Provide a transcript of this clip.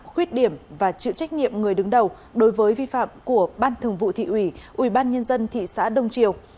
khuyết điểm và chịu trách nhiệm người đứng đầu đối với vi phạm của ban thường vụ thị ủy ubnd thị xã đông triều